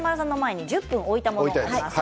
１０分置いたものがありますね。